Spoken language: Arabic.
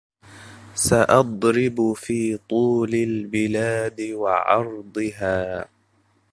سأضرب في طول البلاد وعرضها